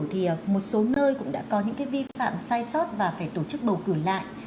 thì một số nơi cũng đã có những vi phạm sai sót và phải tổ chức bầu cử lại